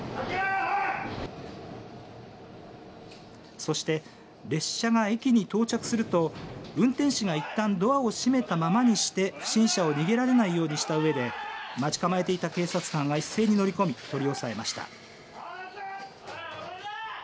そして、列車が駅に到着すると運転士がいったんドアを閉めたままにして不審者を逃げられないようにしたうえで待ち構えていた警察官が一斉に乗り込み取り押さえました。